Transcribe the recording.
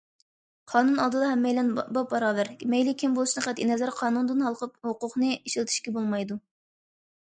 قانۇن ئالدىدا ھەممەيلەن باپباراۋەر، مەيلى كىم بولۇشىدىن قەتئىينەزەر قانۇندىن ھالقىپ ھوقۇقىنى ئىشلىتىشىگە بولمايدۇ.